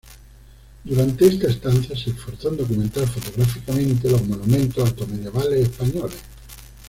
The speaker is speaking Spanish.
Durante esta estancia se esforzó en documentar fotográficamente los monumentos altomedievales españoles.